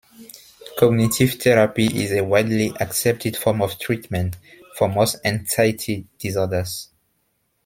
Cognitive therapy is a widely accepted form of treatment for most anxiety disorders.